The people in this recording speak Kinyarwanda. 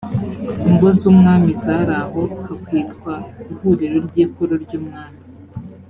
ingo z’umwami zari aho hakwitwa ihuriro ry’ikoro ry’umwami